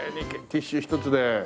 ティッシュ１つで。